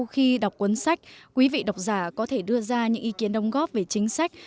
sau khi đọc quân sách quý vị đọc giả có thể đưa ra những ý kiến đồng góp về chính sách